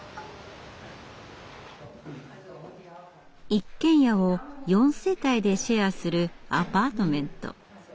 一軒家を４世帯でシェアするアパートメント。